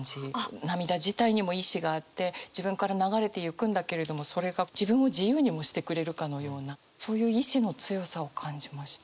涙自体にも意志があって自分から流れていくんだけれどもそれが自分を自由にもしてくれるかのようなそういう意志の強さを感じました。